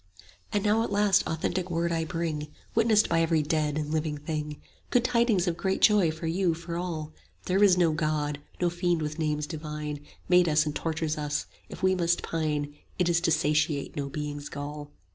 And now at last authentic word I bring, Witnessed by every dead and living thing; Good tidings of great joy for you, for all: There is no God; no Fiend with names divine 40 Made us and tortures us; if we must pine, It is to satiate no Being's gall.